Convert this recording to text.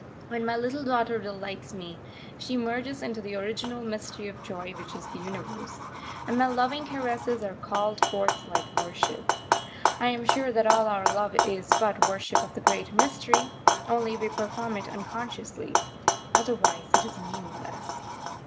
When my little daughter delights me, she merges into the original mystery of joy which is the Universe; and my loving caresses are called forth like worship. I am sure that all our love is but worship of the Great Mystery, only we perform it unconsciously. Otherwise it is meaningless.